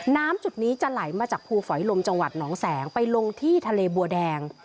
จุดนี้จะไหลมาจากภูฝอยลมจังหวัดหนองแสงไปลงที่ทะเลบัวแดง